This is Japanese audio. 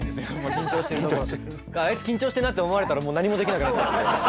あいつ緊張してるなって思われたらもう何もできなくなっちゃうんで。